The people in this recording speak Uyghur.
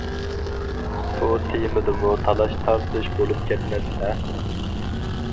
بۇ تېمىدىمۇ تالاش-تارتىش بولۇپ كەتمەس ھە؟ !